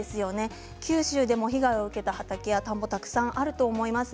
九州でも被害を受けた畑や田んぼたくさんあると思います。